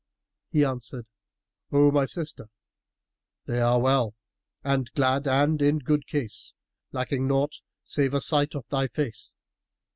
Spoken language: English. He answered, "O my sister, they are well and glad and in good case, lacking naught save a sight of thy face."